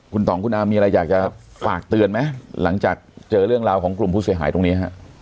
คุณต่องคุณอามีอะไรอยากจะฝากเตือนไหมหลังจากเจอเรื่องราวของกลุ่มผู้เสียหายตรงนี้ฮะ